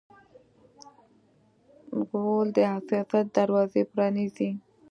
غول د حساسیت دروازه پرانیزي.